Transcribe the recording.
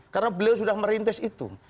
karena beliau sudah merintis itu